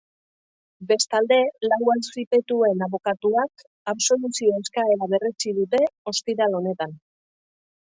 Bestalde, lau auzipetuen abokatuak absoluzio eskaera berretsi dute ostiral honetan.